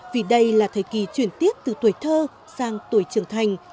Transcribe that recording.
vì đây là thời kỳ chuyển tiếp từ tuổi thơ sang tuổi trưởng thành